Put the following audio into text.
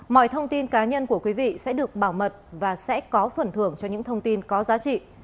mọi thông tin cá nhân của quý vị sẽ được bảo mật và sẽ có phần thưởng cho những thông tin có giá trị